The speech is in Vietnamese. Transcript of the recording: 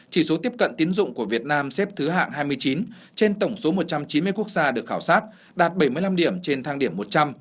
chỉ số tiếp cận tiến dụng của việt nam xếp thứ hạng hai mươi chín trên tổng số một trăm chín mươi quốc gia được khảo sát đạt bảy mươi năm điểm trên thang điểm một trăm linh